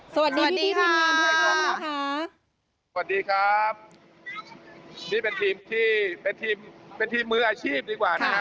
สวัสดีค่ะสวัสดีครับนี่เป็นทีมที่เป็นทีมเป็นทีมมืออาชีพดีกว่านะฮะ